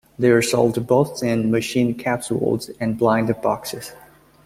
They are sold both in machine capsules and blind boxes.